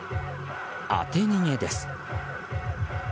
当て逃げです。